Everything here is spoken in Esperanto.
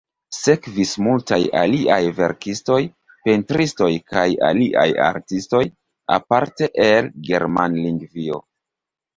Sekvis multaj aliaj verkistoj, pentristoj kaj aliaj artistoj, aparte el Germanlingvio.